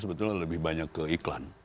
sebetulnya lebih banyak ke iklan